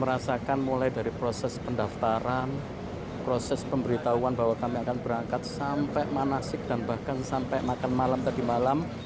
merasakan mulai dari proses pendaftaran proses pemberitahuan bahwa kami akan berangkat sampai manasik dan bahkan sampai makan malam tadi malam